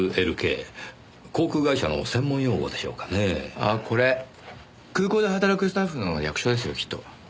ああこれ空港で働くスタッフの略称ですよきっと。